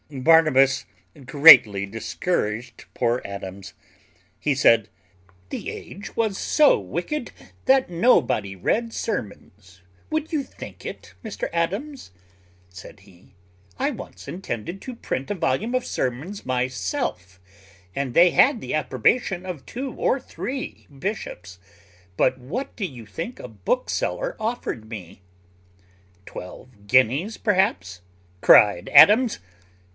Barnabas greatly discouraged poor Adams; he said, "The age was so wicked, that nobody read sermons: would you think it, Mr Adams?" said he, "I once intended to print a volume of sermons myself, and they had the approbation of two or three bishops; but what do you think a bookseller offered me?" "Twelve guineas perhaps," cried Adams.